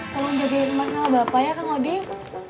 tolong jaga rumah sama bapak ya kang odin